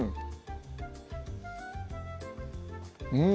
うん！